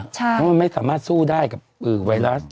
จริงไหมล่ะเขาไม่สามารถสู้ได้กับไวรัส